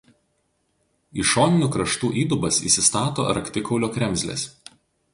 Į šoninių kraštų įdubas įsistato raktikaulio kremzlės.